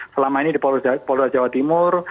selama ini di polda jawa timur